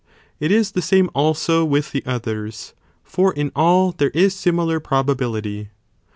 It is the same also 'with the others, for in all there is similar probability.